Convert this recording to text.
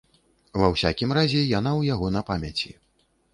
Ва ўсякім разе яна ў яго на памяці.